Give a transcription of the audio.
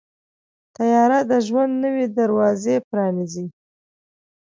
طیاره د ژوند نوې دروازې پرانیزي.